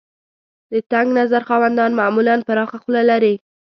د تنګ نظر خاوندان معمولاً پراخه خوله لري.